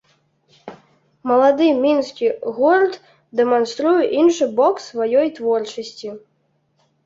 Малады мінскі гурт дэманструе іншы бок сваёй творчасці.